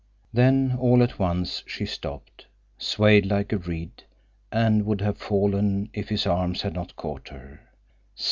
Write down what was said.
Then, all at once, she stopped, swayed like a reed, and would have fallen if his arms had not caught her.